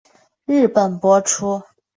日本播出。